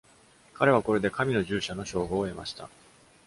彼はこれで神の従者の称号を得ました。